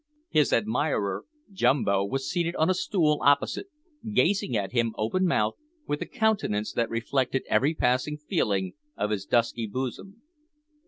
His admirer, Jumbo, was seated on a stool opposite, gazing at him open mouthed, with a countenance that reflected every passing feeling of his dusky bosom.